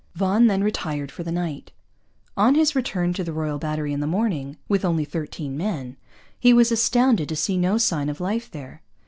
Vaughan then retired for the night. On his return to the Royal Battery in the morning, with only thirteen men, he was astounded to see no sign of life there.